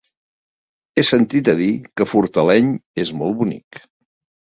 He sentit a dir que Fortaleny és molt bonic.